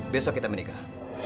besok kita menikah